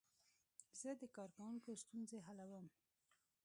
زه د کاروونکو ستونزې حلوم.